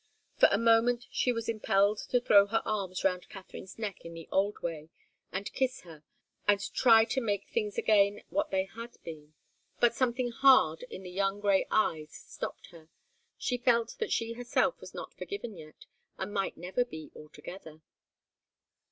For a moment she was impelled to throw her arms round Katharine's neck in the old way, and kiss her, and try to make things again what they had been. But something hard in the young grey eyes stopped her. She felt that she herself was not forgiven yet and might never be, altogether.